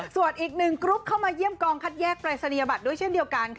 ส่วนอีกหนึ่งกรุ๊ปเข้ามาเยี่ยมกองคัดแยกปรายศนียบัตรด้วยเช่นเดียวกันค่ะ